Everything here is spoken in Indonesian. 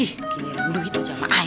ih gini rambut gitu sama ayah